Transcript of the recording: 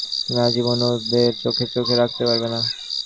তুমি আজীবন ওদের চোখে চোখে রাখতে পারবে না।